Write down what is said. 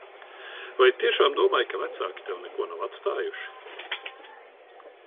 Vai tiešām domāji, ka vecāki tev neko nav atstājuši?